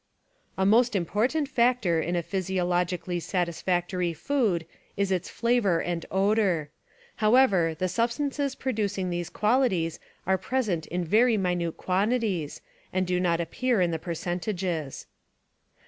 A most important factor in a physiologically satisfactory food is its flavor and odor. However, the substances producing these qualities are present in very minute quantities and do not appear in the per centages.